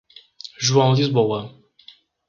João Lisboa